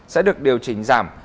sẽ được điều chỉnh giảm